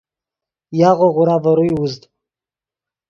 یاغو غورا ڤے روئے اوزد